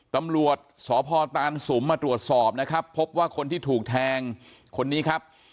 ตำรวจสพตานสุมมาตรวจสอบนะครับพบว่าคนที่ถูกแทงคนนี้ครับ